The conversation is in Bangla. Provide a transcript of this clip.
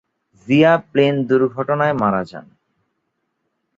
জিয়া প্লেন দুর্ঘটনায় মারা যান।